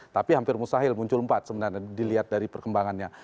tapi hampir mustahil muncul empat sebenarnya dilihat dari perkembangannya